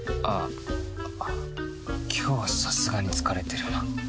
あぁ今日はさすがに疲れてるよな？